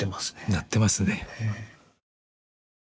なってますね。